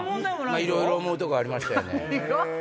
いろいろ思うところありましたよね。